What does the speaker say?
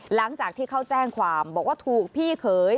หลังจากที่เขาแจ้งความบอกว่าถูกพี่เขย